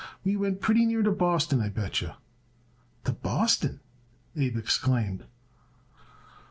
We went pretty near to Boston, I bet yer." "To Boston!" Abe exclaimed.